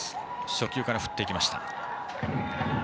初球から振っていきました。